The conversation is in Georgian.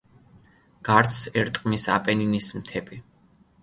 გარს ერტყმის აპენინის მთები.